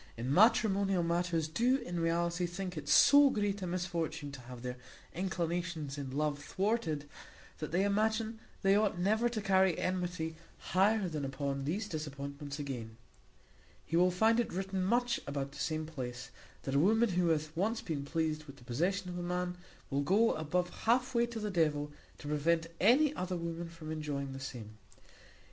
in matrimonial matters, do in reality think it so great a misfortune to have their inclinations in love thwarted, that they imagine they ought never to carry enmity higher than upon these disappointments; again, he will find it written much about the same place, that a woman who hath once been pleased with the possession of a man, will go above halfway to the devil, to prevent any other woman from enjoying the same.